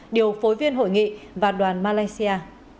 điều phối viên hội nghị và đoàn malaysia